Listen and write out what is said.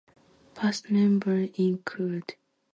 Past members include...